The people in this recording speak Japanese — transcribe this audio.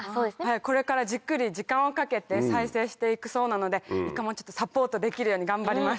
これからじっくり時間をかけて再生していくそうなのでいかもサポートできるように頑張ります。